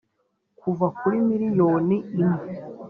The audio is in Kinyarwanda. kuva kuri miliyoni imwe